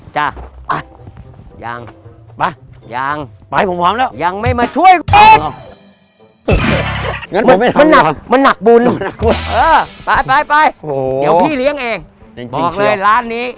ถ้าผมได้กินน่ะฮะ